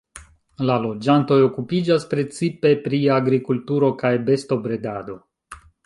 La loĝantoj okupiĝas precipe pri agrikulturo kaj bestobredado.